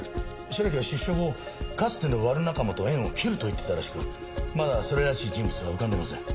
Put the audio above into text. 白木は出所後かつての悪仲間とは縁を切ると言ってたらしくまだそれらしい人物は浮かんでません。